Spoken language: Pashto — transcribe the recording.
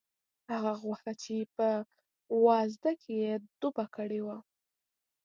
هغه غوښه چې په وازده کې یې ډوبه کړې وه.